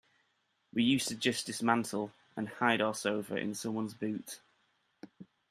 We used to just dismantle and hide our sofa in someone's boot.